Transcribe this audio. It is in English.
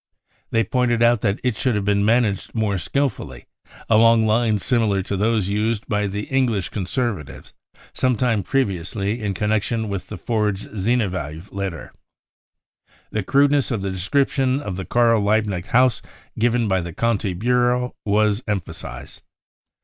They pointed out that it should have been managed more skilfully, along lines similar to those used by the Eng lish Conservatives some time previously in connection with the forged Zinoviev letter. The crudeness of the description of the Karl Liebknecht House given by the Conti Bureau was emphasised.